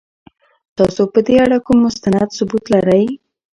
تاسو په دې اړه کوم مستند ثبوت لرئ؟